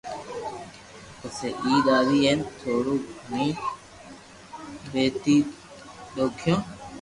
پسي عيد آوي ھين ٿوڙو گھڙو پيھئي دوکيو